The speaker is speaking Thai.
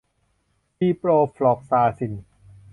ซิโปรฟลอกซาซิน